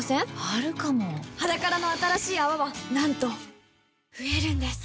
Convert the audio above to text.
あるかも「ｈａｄａｋａｒａ」の新しい泡はなんと増えるんです